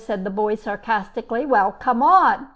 said the boy sarcastically. "Well, come on!"